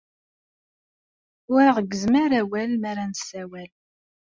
Ur aɣ-gezzem awal mi ara nessawal.